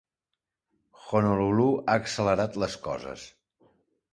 Honolulu ha accelerat les coses.